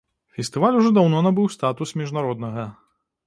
Фестываль ужо даўно набыў статус міжнароднага.